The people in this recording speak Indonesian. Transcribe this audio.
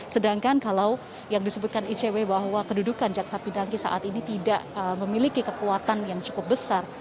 sedangkan kalau yang disebutkan icw bahwa kedudukan jaksa pinangki saat ini tidak memiliki kekuatan yang cukup besar